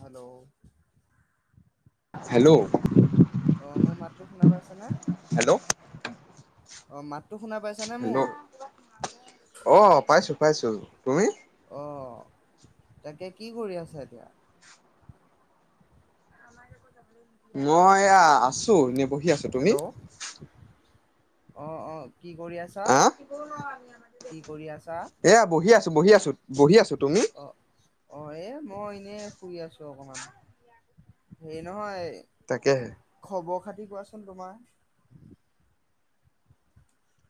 Hello hello অ মোৰ মাতটো শুনা পাইছা হেল্ল' অ মাতটো শুনা পাইছানে হেল্ল' মোৰ পাইছোঁ তুমি অ তাকে কি কৰি আছা এতিয়া মই এয়া আছো এনে বহি আছো তুমি হেল্ল' অ অ কি কৰি আছা আহ কি কৰি আছা এয়া বহি আছো বহি আছো বহি আছো তুমি অ অ এ মই এনে শুই আছো অকমান হেই নহয় তাকেহে কি কোৱাচোন তোমাৰ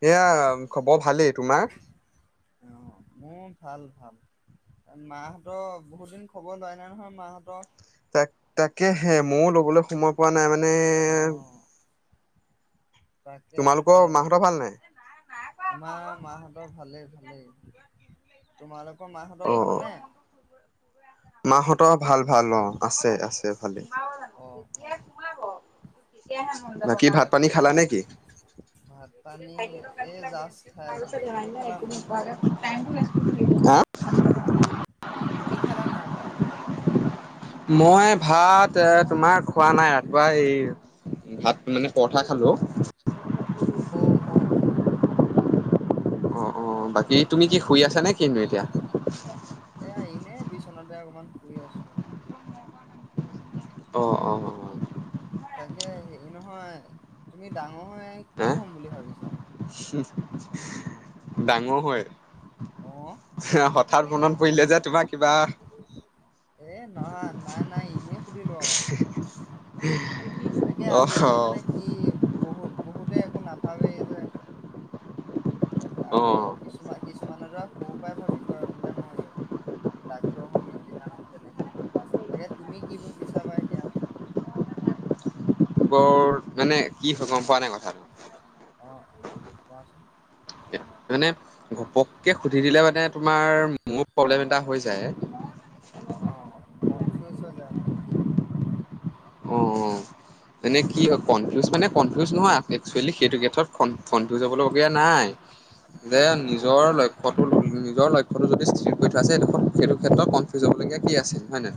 এয়া খবৰ ভালে তোমাৰ অ মোৰ ভাল ভাল মাহঁত বহুত দিন খবৰ লোৱায় নাই নহয় মাহঁত তাক তাকে হে মও ল'বলৈ সময় পোৱা নাই মানে মানে অ তাকে তোমালোকৰ তাকে মাহঁতৰ ভাল নাই? আমাৰ মাহঁতৰ ভালেই ভালেই তোমালোক কৰ মাহঁত ভালনে মাহঁত ত ভাল, ভাল। অ আছে, আছে, ভালে। অ অ। বাকী ভাত পানী তাকে খালা নে কি? ভাত পানী এই জাষ্ট খাই উঠিছো তুমি খালা নাই হা? তুমি খালা নাই ভাত? মই ভাত তোমাৰ খোৱা নাই, ৰাতিপুৱা এ ভাত মানে পৰঠা খালোঁ। অ অ অ'। তাকে অ', বাকী ভালে কৰিলা। কি শুই তুমি কি শুই আছা কিনো নে কি এতিয়া? এইয়া এনেই বিচনাতে অকমান। শুই আছো। অ', অ', অ', তাকে হেৰি নহয়। তুমি ডাঙ মই হে? কি হ'ম বুলি ভাবিছা? ডাঙৰ হয়? অ অ হ ঠাত মনত পৰিলে যে তোমাৰ কিবা। এ নহয় নাই নাই। এনেই সুধিলো আৰু। তাকে অহ আজিকালি মানে কি বহুত। বহুতে একো নাভাবেই যে। তাৰ অ আকৌ কিছুমান কিছুমানৰ ধৰা সৰুৰ পৰাই ভাবি থয় বোলে মই ডাক্তৰ হ'ম, ইঞ্জিনিয়াৰ হ'ম তেনেকে। তাকে তুমি কি ভাবিছা বা এতিয়া? বৰ মানে কি হয় গম পোৱা নাই কথাটো। অ, অ। কোৱাচোন। এনে ঘপককে সুধি দিলে মানে তোমাৰ মোৰ প্ৰব্লেম এটা হৈ যায়। অ, কনফিউচ হৈ যায়। [unintelligible] অ, অ এনে কি কনফিউজ মানে কনফিউজ নহয়, একচুৱেলী সেইটো [unintelligible] কনফিউজ হবলগীয়া নাই, যে হয়, হয়, নিজৰ লক্ষ্যটো নিজৰ লক্ষ্যটো যদি স্থিৰ কৰি থোৱা আছে এইডোখন সেইটো ক্ষেত্ৰত কনফিউজ হ'বলগীয়া কি আছে হয়নে।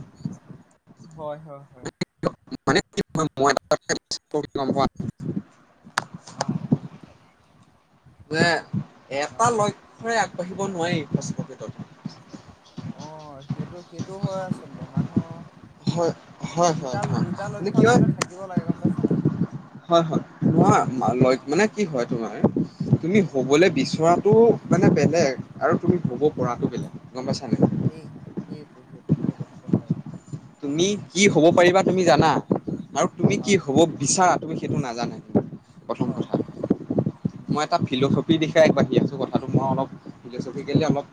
হয় হয়। [unintelligible] [unintelligible] যে এটা অ', অ'। লক্ষ্যৰে আগ ৰাখিব কোৱাচোন। নোৱাৰি ফাষ্ট পকেটত। অঁ, সেইটো সেইটো হয় আচলতে হয় মানুহৰ হয় হয় দুটা হয় দুটা মানে লক্ষ্য কি হয় আচলতে থাকিব লাগে গম পাইছা নাই। হয় হয় নহয় অ', [unintelligible] মানে কি হয় তোমাৰ। তুমি হয়। হ'বলৈ বিচৰাটো মানে বেলেগ আৰু তুমি হ'ব অ', পৰাটো বেলেগ গম পাইছা সেই সেইটো সেইটো নে। সেইটো কথাটো হয় বাৰু। তুমি কি হ'ব পাৰিবা তুমি জানা আৰু তুমি কি হয়, হ'ব হয়, বিচাৰা তুমি সেইটো নাজানা, প্ৰথম হয়, কথা, হয়, হয়, মই নিশ্চয় এটা নিশ্চয় ফিলচফিৰ দিশে আগবাঢ়ি আছো কথাটো মই অলপ অ'। ফিলচপিকেলি অলপ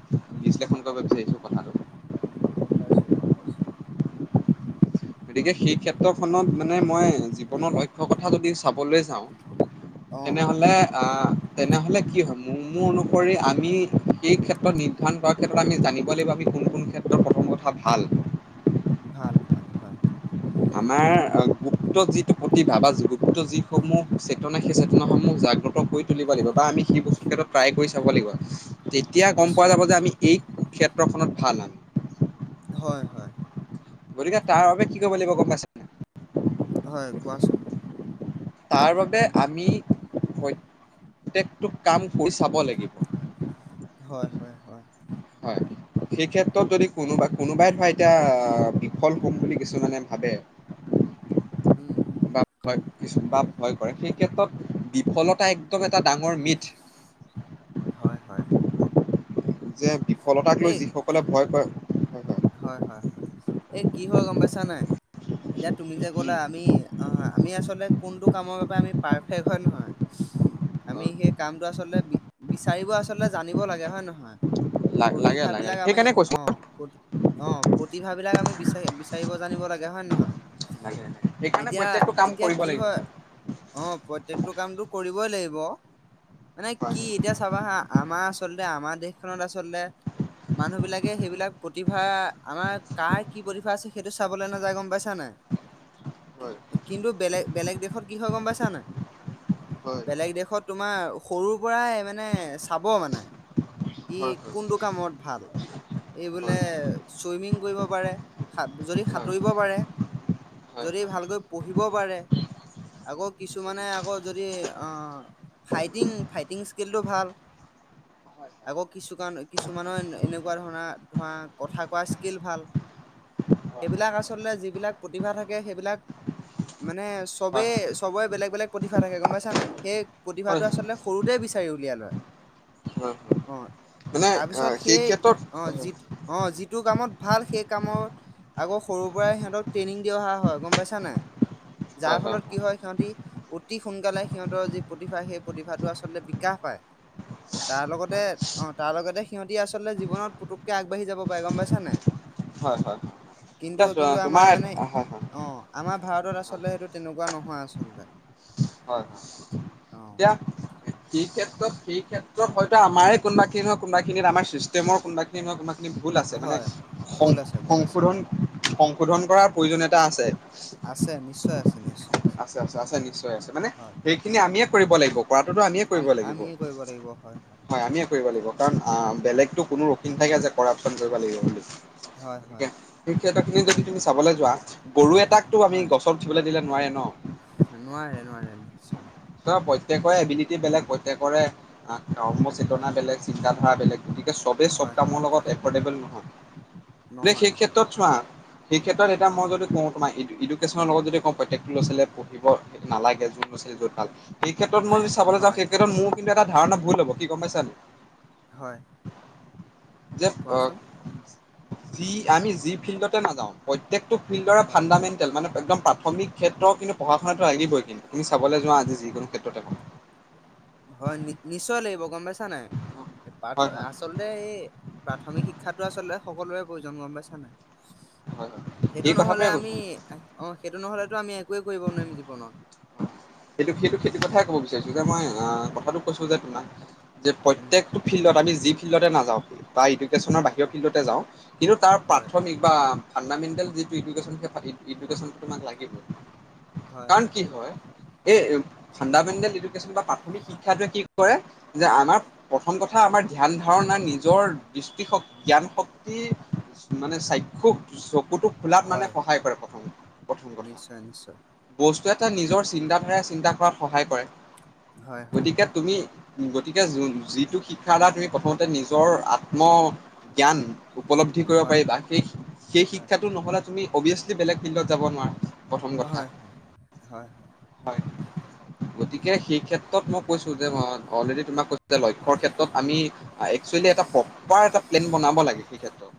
বিশ্লেষণ কৰিব বিচাৰিছো কথাটো। [unintelligible] গতিকে সেই ক্ষেত্ৰখনত মানে মই জীৱনত অক্ষ কথা যদি চাবলৈ যাওঁ অ', অ', তেনেহলে আ তেনেহলে কি হ'ব মোৰ অনুসৰি আমি সেই ক্ষেত্ৰত নিৰ্ধাৰণ কৰাৰ ক্ষেত্ৰত আমি জানিব লাগিব আমি কোন কোন ক্ষেত্ৰত প্ৰথম কথা ভাল। ভাল ভাল হয়। আমাৰ গুপ্ত যিটো প্ৰতিভা বা গুপ্ত যিসমূহ চেতনা সেই চেতনাসমূহ জাগ্ৰত কৰি তুলিব লাগিব বা আমি সেই বস্তু ক্ষেতত ট্ৰাই কৰি চাব লাগিব। যেতিয়া গম পোৱা নিশ্চয় যাব যে আমি নিশ্চয়। এই ক্ষেত্ৰখনত [unintelligible] হয় হয়। গতিকে তাৰ বাবে কি কৰিব লাগিব [unintelligible] হয় কোৱাচোন। তাৰ বাবে আমি প্ৰত্যেকটো কাম কৰি চাব লাগিব। হয়, হয়, হয়। হয় সেই ক্ষেত্ৰত [unintelligible] অ'। কোনবা-কোনোবাই ধৰা এতিয়া বিফল হ'ম বুলি কিছুমানে ভাৱে উম [unintelligible] বা বা ভয় কৰে সেই ক্ষেত্ৰত বিফলতা একদম এটা ডাঙৰ মিথ হয়, হয়, যে বিফলতাক লৈ এই কি যিসকলে ভয় কৰে হয় হয় হয় এই কি হ গম পাইছা নাই এতিয়া তুমি যে ক'লো উম। আমি অ হয় আমি আচলতে কোনটো কামৰ বাবে আমি পাৰফেক্ট্ৰত হয় নহয় আমি অ সেই কামটো আ আচলতে বি বিচাৰিব আচলতে জানিব লাগে হয় নে নহয় লা লাগে লাগে প্ৰতিভাবিলাক আমি সেইকাৰণে কৈছো অহ প্ৰতি অ প্ৰতিভাবিলাক আমি বিচাৰি বিচাৰিব জানিব লাগে হয় নে লাগে নহয় সেইকাৰণে প্ৰত্যেকটো কাম এতিয়া এতিয়া কৰিব কি লাগিব হয় অ প্ৰত্যেকটো কামটো কৰিবই লাগিব মানে হয়। কি এতিয়া চাবা হা আমাৰ আচলতে আমাৰ দেশ দেশখন আচলতে মানুহ বিলাকে সেইবিলাক প্ৰতিভা আমাৰ কাৰ কি প্ৰতিভা আছে সেইটো চাবলৈ নাযায় গম পাইছা নাই হয় কিন্তু বেলেগ বেলেগ দেশত কি হয় গম পাইছা নাই হয় বেলেগ দেশত তোমাৰ সৰু পৰাই মানে চাব মানে ই হয় হয় কোনটো কামত ভাল বোলে হয় হয় চুইমিং কৰিব পাৰে সাত যদি হয় হয়। হয় সাঁতুৰিব পাৰে হয় যদি ভালকৈ পঢ়িব পাৰে আকৌ কিছুমানে আকৌ যদি অ ফাইটিং ফাইটিং স্কিলটো ভাল আকৌ কিছু কিছুমানৰ এনেকোৱা ধৰণৰ ধৰা কথা কোৱা স্কিল ভাল সেইবিলাক আচলতে যিবিলাক প্ৰতিভা থাকে সেইবিলাক মানে চবেই চবই বেলেগ বেলেগ প্ৰতিভা থাকে গম পাইছা নাই সেই হয় হয় প্ৰতিভাটো আচলতে সৰুতেই বিচাৰি উলিয়ালে হয় হয় মানে আহ সেই ক্ষেত্ৰত অ যি অ যিটো কামত ভাল সেই কামত আকৌ সৰুৰ পৰাই সিহতক ট্ৰেইনিং দি অহা হয় গম পাইছ নে যাৰ ফলত কি হয় সিহঁতি অতি সোনকালে সিহঁতৰ যি প্ৰতিভা সেই প্ৰতিভাটো আচলতে বিকাশ পায় তাৰ লগতে অ তাৰ লগতে সিহঁতি আচলতে জীৱনত পুতু কে আগবাঢ়ি যাব পুৰুষকে আগবাঢ়ি যাব পাৰে গমপাইছা নাই হয় হয় হয় হয় কিন্তু এতিয়া কিন্তু আমাৰ তোমাৰ মানে হয় হয় অ আমাৰ ভাৰতত আছে আচলতে সেইটো তেনেকোৱা নহয় আচলতে হয় হয় অ', তেতিয়া সেই ক্ষেতত হয়তো আম কোনবাখিন হয় কোনোবাখিনিত আমাৰ চিষ্টেমৰ কোনোবা খিনি নি হয় কোনবা ভুল আছে মানে হয়। ভুল আছে ভুল আছে সংশোধন হয়, শোধন কৰাৰ প্ৰয়োজনীয়তা আছে আছে নিশ্চয় আছে নিশ্চয় আছে আছে আছে নিশ্চয় আছে মানে হয়, সেইখিনি আমিয়ে কৰিব লাগিব কৰাতোতো আমিয়ে আম কৰিব লাগিব আমিয়ে কৰিব লাগিব হয় আমিয়ে লাগিব কাৰণ বেলেগতো কোনো থাকে যে, কৰাপশ্বন কৰিব লাগিব বুলি হয়! হয়! খিনি যদি তুমি চাবলৈ যোৱা। গৰু এটাকতো আমি হয়। গছত উঠিবলৈ দিলে নোবাৰে ন! নোৱাৰে, নোৱাৰে, নিশ্চয়। চ' প্ৰত্যেকৰে এবিলিটি বেলেগ, প্ৰত্যেকৰে ধৰ্ম অ', হয়, চেতনা বেলেগ, চিন্তা আ বেলেগ। গতিকে চবেই চব হয় কামৰ হয়, লগত এফৰ্ডেবল নহয়, বোলে নহয় সেই নহয় ক্ষেত্ৰত চোৱা, সেই ক্ষেত্ৰত এতিয়া মই অ'। যদি কওঁ তোমাক ইডুকেছনৰ লগ যদি কওঁ প্ৰত্যেকটো ল'ৰা ছোৱালীয়ে পঢ়িব নালাগে, যোন ল'ৰা ছোৱালী য'ত ভাল সেই ক্ষেত্ৰত মই যদি চলৈ যাওঁ, হয় সেই ক্ষেত্ৰত মোৰ কিন্তু এটা ধাৰণা ভুল হ'ব, কি গম পাইছা নাই? হয়! যে, অ' কোৱাচোন যি আমি, যি ফিল্ডতে নাযাওঁ, প্ৰত্যেক টো ফিল্ডৰে হয়, ফাণ্ডামেণ্টেল মানে একদম প্ৰাথমিক ক্ষেত্ৰৰ কিন্তু পঢ়া শুনাটো লাগিবই কিন্তু, তুমি চাবলৈ যোৱা যিকোনো ক্ষেত্ৰতেই হওক। কথা নাই, হয় হয় আচলতে এই প্ৰাথমিক শিক্ষাটো আচলতে, সকলোৱে প্ৰয়োজন, গম পাইছা নাই? হয় হয় সেইটো এই নহ'লে কথাটোৱে কৈছো আমি, অ' সেইটো নহ'লে টো আমি একোৱে কৰিব নোৱাৰিম জীৱনত। সেইটো, সেইটো খেতিৰ কথায়ে অ' ক'ব বিচাৰিছো যে মই অ' কথাটো কৈছো যে তোমাক যে উম, প্ৰত্যেকটো ফিল্ডত, আমি যি ফিল্ডতে নাজাও যাওঁ বা এডুকেশ্যনৰ হয় বাহিৰৰ হয়। ফিল্ডতে যাওঁ, কিন্তু তাৰ হয় প্ৰাথমিক বা ফাণ্ডামেণ্টেল যিটো ইডুকেশ্যন, সেই ইডুকেশ্যনটো তোমাক লাগিবই। কাৰণ কি হয় এই ফাণ্ডামেণ্টেল এডুকেশ্যন বা প্ৰাথমিক শিক্ষাটোৱে কি কৰে, যে আমাৰ, প্ৰথম কথা আমাৰ ধ্যান ধাৰণা, নিজৰ দৃষ্টিশক, জ্ঞান শক্তি, মানে চাক্ষু চকুটো খোলাত মানে হয় সহায় কৰে, প্ৰথম কথা। নিশ্চয় নিশ্চয় এটা নিজৰ চিন্তা চিন্তা কৰাত সহায় কৰে। হয় হয় গতিকে তুমি গতিকে যো যিটো শিক্ষাৰ দ্বাৰা তুমি প্ৰথমতে নিজৰ আত্ম জ্ঞান উপলব্ধি কৰিব হয় পাৰিবা হয়। সেই সেই হয় শিক্ষাটো নহ'লে তুমি অবিয়েছলি বেলেগ ফিল্ডত যাব নোৱাৰা প্ৰথম কথা হয় হয় হয় গতিকে অ' সেই ক্ষেত্ৰত মই কৈছোঁ যে অলৰেডী তোমাক কৈছোঁ যে লক্ষ্যৰ ক্ষেত্ৰত আমি একচুৱেলি এটা প্ৰপাৰ এটা প্লেন বনাব লাগে সেই ক্ষেত্ৰত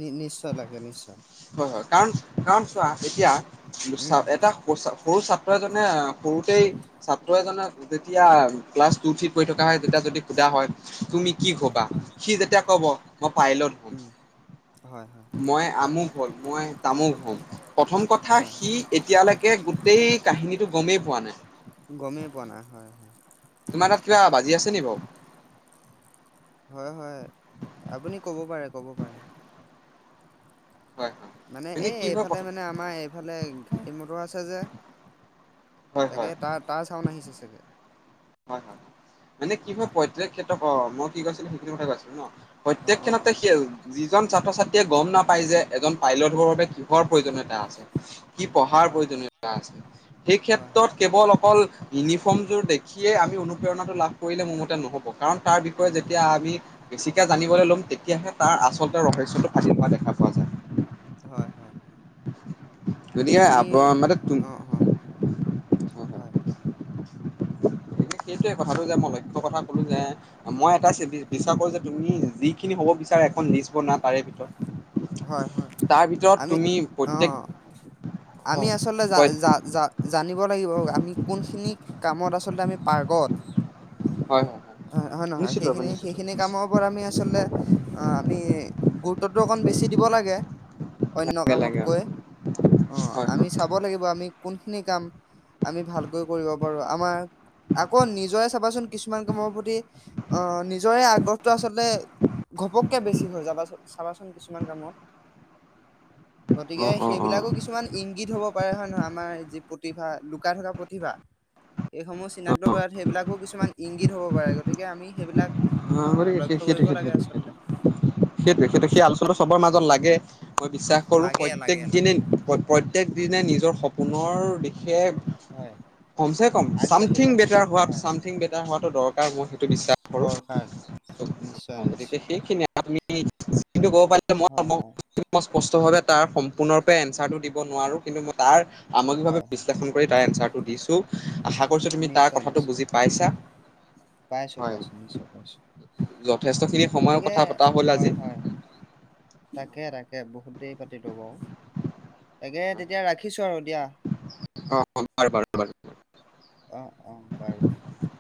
নি নিশ্চয় লাগে নিশ্চয় হয় হয় কাৰণ কাৰণ চোৱা এতিয়া উম। এটা সৰু ছাত্ৰ এজন মানে সৰুতেই ছাত্ৰ এজনক যেতিয়া ক্লাছ টু থিত পঢ়ি থকা হয় তেতিয়া যদি সোধা হয় তুমি কি হবা হয় সি যেতিয়া ক'ব মই পাইলট হম উম হয় হয় মই আমুক হ'ল মই তামোক হম প্ৰথম কথা হয় সি এতিয়ালে কে গোটেই কাহিনী টো গমে পোৱা নাই গমেই পোৱা নাই হয় হয় তোমাৰ তাত কিবা বাজি আছে নি বাৰু হয় হয় আপুনি ক'ব পাৰে ক'ব পাৰে হয় হয় মানে এই কি হয় এইফালে প্ৰথম মানে আমাৰ এইফালে গাড়ী মটৰ আছে যে হয় তাকে হয় তাৰ তাৰ চাউন আহিছে চাগে হয় হয় মানে কি অ' হয় প্ৰত্যেক ক্ষেত্ৰ অ মই কি কৈছিলো সেইখিনি কথা কৈ আছিলো ন প্ৰত্যেক অ' অ' ক্ষনতে অ' সিয় যিজন ছাত্ৰ ছাত্ৰী য়ে গম নাপাই যে এজন পাইলট হ'বৰ বাবে কিহৰ প্ৰয়োজনীয়তা আছে কি পঢ়াৰ হয় হয় প্ৰয়োজনীয়তা আছে সেই হয় হয়। ক্ষেত্ৰত কেৱল অকল ইউনিফৰ্মযোৰ দেখ খিয়ে আমি অনুপ্ৰেৰণা টো লাভ কৰিলে মোৰ মতে নহ'ব কাৰণ তাৰ বিষয়ে নহ'ব যেতিয়া আমি নহ'ব বেছিকে জানিবলে ল'ম তেতিয়াহে তাৰ আচলতে ৰহস্যটো ফাদিল হোৱা দেখা পোৱা যায় হয় হয় গতিকে আমি আপ মানে তু অ অ হয় গতিকে সেইটোৱে কথাটো যে মই লক্ষ্য কথা ক'লো যে মই এটা বি বিচাৰ কৰোঁ যে তুমি যিখিনি হ'ব বিচাৰা এখন লিচ বনোৱা তাৰে ভিতৰত হয় হয় তাৰ ভিতৰত আমি তুমি অ প্ৰত্যেক আমি হয় আচলতে হয় জান দ লাগিব আমি কোন খিনিক কামত আচলতে আমি পাৰ্গত হয় হয় হয় হয়য় নহয় নিশ্চিত ৰূপে সেইখিনি নিশ্চিত সেইখিনি ৰূপে কামৰওপৰত আমি আচলতে আমি গুৰুত্বটো অকণ বেছি দিব লাগে অন্য লাগে কামতকৈ অ হয় আমি হয় চাব লাগিব আমি কোনখিনি কাম আমি ভালকৈ কৰিব পাৰো আমাৰ আকৌ নিজৰে চাবাচোন কিছুমান কামৰ প্ৰতি অ নিজৰে আগ্ৰহটো আচলতে ঘপককে বেছি হয় যাবাচোন চাবাচোন কিছুমান কিছুমান কামত অ গতিকে অ অ সেইবিলাকো কিছুমান ইংগিত হব পাৰে হয়ে নহয় আমাৰ প্ৰতিভা লুকাই থকা প্ৰতিভা এইেইসমূহ অ চিনাক্ত কৰাত সেইবিলাকো কিছুমান ইংগিত হ'ব পাৰে গতিকে আমি সেইবিলাক হ অ সেই লক্ষ্য সেইটো কৰিব সেইটো লাগে সেইটো সেইটো আচলতে সেইটোোৱে হয় সেইটো সেই আলোচনা চবৰ মাজত লাগে মই বিশ্বাস কৰো লাগে প্ৰত্যয়েক লাগে দিনে লাগে প্ৰত্যেক দিনে নিজৰ সপোনৰ দিশ সেয় হয় কমচে কম আগবাঢ়িব ছামথিং লাগে বেটাৰ হোৱাটো হয় ছামথিং বেটাৰ হোৱাটো দৰকাৰ ত বহত বিশ্বাস কৰোঁ নিশ্চয় নিশ্চয় আপুনিন্ত কক প হয়, মই হয়, [inaudible] স্পষ্টভাৱে তাৰ সম্পূৰ্ণৰূপে এনচাৰটো দিব নোৱাৰো কিন্তু মই তাৰ হয়, সামগ্ৰিভাৱে হয়, বিশ্লেষণ কৰি তাৰ এনঞ্চাৰ দিছো আশা কৰিছোঁ তুমি তাৰ কথাটো বুজি পাইছা। পাইছো হয় পাইছো নিশ্চয়। অ যথেষ্টখিনি সময়ৰ গতিকে কথা পতা হ'ল হয় আজি হয় তাকে তাকে বহুত দেৰি পাতিলো বাৰু তাকে। তেতিয়া ৰাখিছো আৰু। দিয়া। অ বাৰু বাৰু হ অ' অ' পাৰে পাৰে।